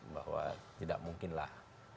bahwa tidak mungkinlah